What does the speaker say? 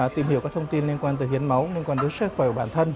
tìm hiểu các thông tin liên quan tới hiến máu liên quan đến sức khỏe của bản thân